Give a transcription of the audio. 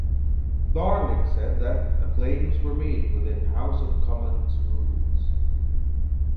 Darling said that "the claims were made within House of Commons rules".